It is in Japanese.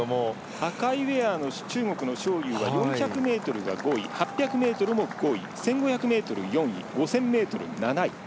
赤いウエアの中国の章勇は４００ｍが５位８００ｍも５位１５００ｍ４位５０００ｍ７位。